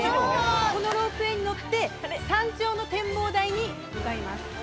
このロープウェイに乗って山頂の展望台に向かいます。